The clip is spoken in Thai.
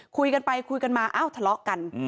คุยกันไปคุยกันมาเอ้าทะเลาะกัน